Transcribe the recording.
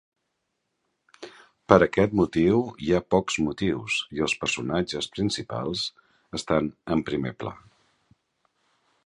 Per aquest motiu hi ha pocs motius i els personatges principals estan en primer pla.